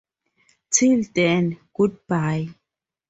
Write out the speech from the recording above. Till then, good-bye!